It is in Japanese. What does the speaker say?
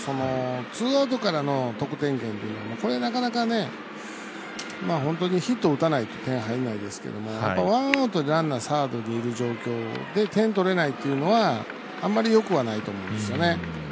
ツーアウトからの得点源ってなかなか本当にヒットを打たないと点が入らないですけどワンアウトでランナーサードにいる状態で点取れないっていうのはあまりよくはないと思うんですよね。